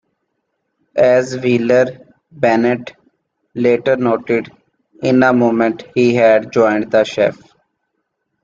As Wheeler-Bennet later noted, "...in a moment he had joined his Chief".